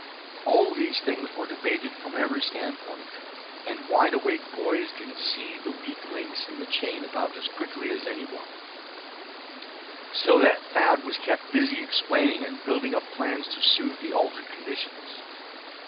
All these things were debated from every standpoint; and wide awake boys can see the weak links in the chain about as quickly as any one; so that Thad was kept busy explaining, and building up plans to suit the altered conditions.